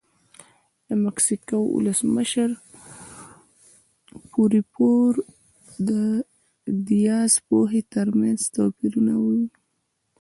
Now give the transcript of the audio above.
د مکسیکو د ولسمشر پورفیرو دیاز پوهې ترمنځ توپیر نه و.